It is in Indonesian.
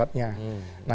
di ciamis itu susatnya